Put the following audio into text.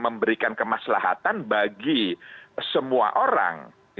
memberikan kemaslahatan bagi semua orang